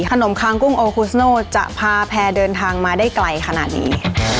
คางคางกุ้งโอคุสโนจะพาแพร่เดินทางมาได้ไกลขนาดนี้